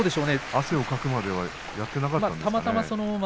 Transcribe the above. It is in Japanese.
汗をかくまではしなかったんですかね。